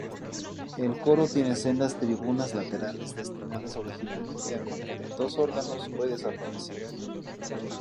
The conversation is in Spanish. El coro tiene sendas tribunas laterales destinadas originalmente a contener dos órganos hoy desaparecidos.